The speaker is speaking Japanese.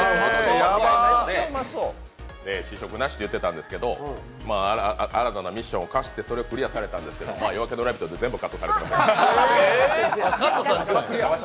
試食なしって言ってたんですけど新たなミッションを課してそれをクリアされたんで「夜明けのラヴィット！」で全部カットされてました。